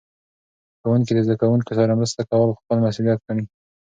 ښوونکي د زده کوونکو سره مرسته کول خپل مسؤلیت ګڼي.